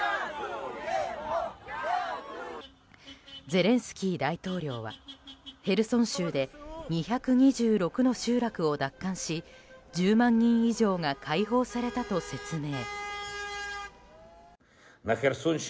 ゼレンスキー大統領はヘルソン州で２２６の集落を奪還し１０万人以上が解放されたと説明。